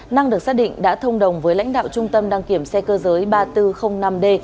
năng được xác định đã thông đồng với lãnh đạo trung tâm đăng kiểm xe cơ giới ba nghìn bốn trăm linh năm d